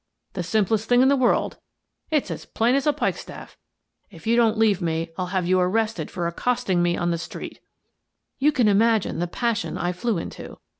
" The simplest thing in the world ! It's as plain as a pikestaff. If you don't leave me, I'll have you arrested for accosting me on the street" You can imagine the passion I flew into.